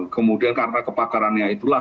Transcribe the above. kemudian karena kepakarannya itulah